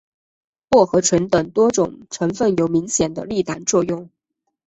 薄荷醇等多种成分有明显的利胆作用。